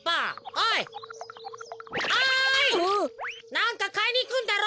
なんかかいにいくんだろ？